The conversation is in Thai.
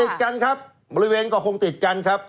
ติดกันครับบริเวณก็คงติดกันครับ